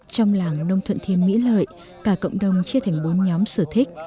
trong làng nông thuận thiên mỹ lợi cả cộng đồng chia thành bốn nhóm sở thích